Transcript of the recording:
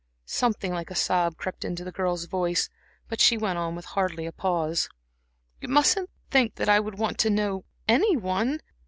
Something like a sob crept into the girl's voice, but she went on with hardly a pause: "You mustn't think that I would want to know any one.